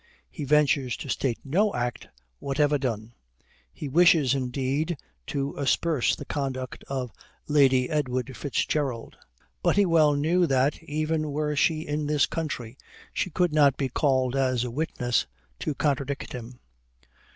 he ventures to state no act whatever done. He wishes, indeed, to asperse the conduct of Lady Edward Fitzgerald; but he well knew that, even were she in this country, she could not be called as a witness to contradict him.